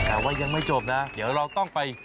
แต่ว่ายังไม่จบนะเดี๋ยวเราต้องไป